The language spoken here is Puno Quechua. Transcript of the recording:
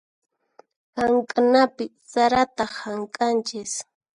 Hamk'anapi sarata hamk'anchis.